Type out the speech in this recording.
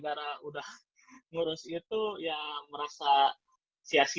gara gara udah ngurus itu ya merasa sia sia